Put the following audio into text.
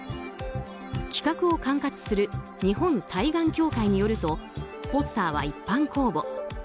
企画を管轄する日本対がん協会によるとポスターは一般公募。